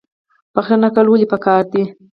بخښنه کول ولې پکار دي؟